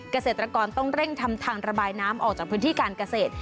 เกษตรกรต้องเร่งทำทางระบายน้ำออกจากพื้นที่การเกษตร